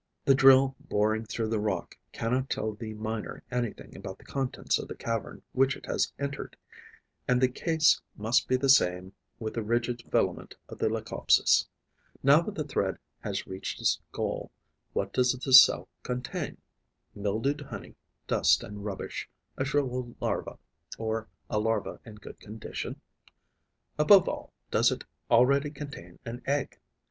The drill boring through the rock cannot tell the miner anything about the contents of the cavern which it has entered; and the case must be the same with the rigid filament of the Leucopses. Now that the thread has reached its goal, what does the cell contain? Mildewed honey, dust and rubbish, a shrivelled larva, or a larva in good condition? Above all, does it already contain an egg?